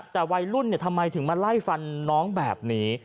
แต่วัยรุ่นทำไมถึงมาไล่ฟันน้องแบบนี้